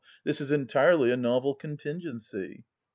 This is entirely a novel contingency."